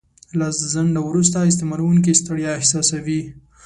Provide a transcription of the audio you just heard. له ځنډه وروسته استعمالوونکی ستړیا احساسوي.